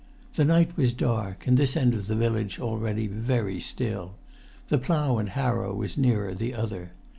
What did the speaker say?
The night was dark, and this end of the village already very still: the Plough and Harrow was nearer the other.